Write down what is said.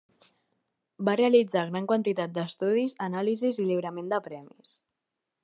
Va realitzar gran quantitat d'estudis, anàlisis i lliuraments de premis.